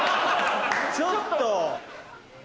ちょっと！